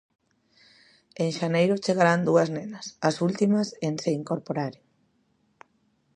En xaneiro chegaran dúas nenas, as últimas en se incorporaren.